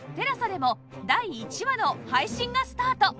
ＴＥＬＡＳＡ でも第１話の配信がスタート